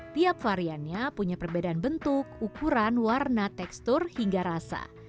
tiap variannya punya perbedaan bentuk ukuran warna tekstur hingga rasa